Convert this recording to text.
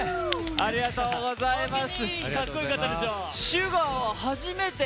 ありがとうございます。